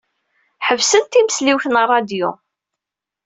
Ḥebsent timesliwt n ṛṛadyu.